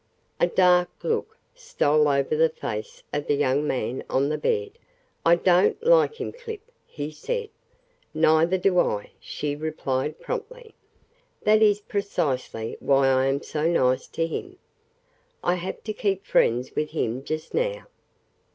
A dark look stole over the face of the young man on the bed. "I don't like him, Clip," he said. "Neither do I," she replied promptly. "That is precisely why I am so nice to him. I have to keep friends with him just now.